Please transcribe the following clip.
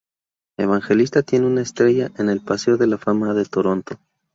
Evangelista tiene una estrella en el "Paseo de la Fama" de Toronto.